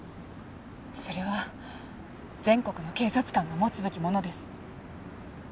それは全国の警察官が持つべきものです。